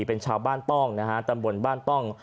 เป็นชาวบ้านต้องนะฮะตำบลบ้านต้อง